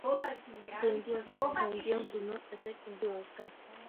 The Indians and Canadians would not attack in the open.